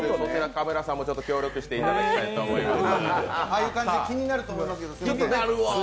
カメラさんも協力していただきたいと思います。